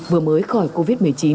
vừa mới khỏi covid một mươi chín